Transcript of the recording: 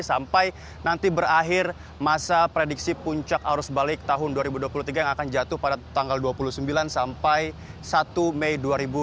sampai nanti berakhir masa prediksi puncak arus balik tahun dua ribu dua puluh tiga yang akan jatuh pada tanggal dua puluh sembilan sampai satu mei dua ribu dua puluh